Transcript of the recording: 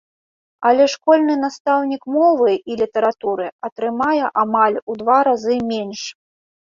Але школьны настаўнік мовы і літаратуры атрымае амаль у два разы менш!